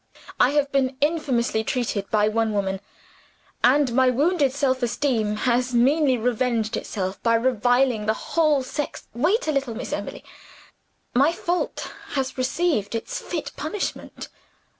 I have been infamously treated by one woman; and my wounded self esteem has meanly revenged itself by reviling the whole sex. Wait a little, Miss Emily. My fault has received its fit punishment.